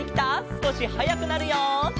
すこしはやくなるよ。